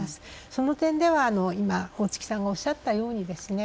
その点では今大槻さんがおっしゃったようにですね